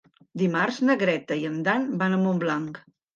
Dimarts na Greta i en Dan van a Montblanc.